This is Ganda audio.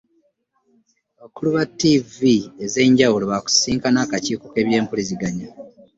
Abakulu ba ttivi ez'enjawulo bakusisinkana akakiiko ke by'empuliziganya.